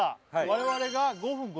我々が５分５３？